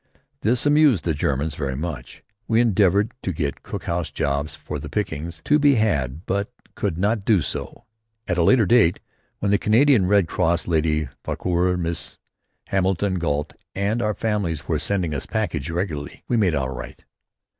This amused the Germans very much. We endeavoured to get cookhouse jobs for the pickings to be had, but could not do so. At a later date, when the Canadian Red Cross, Lady Farquhar, Mrs. Hamilton Gault and our families were sending us packages regularly, we made out all right.